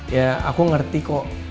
ya aku ngerti kok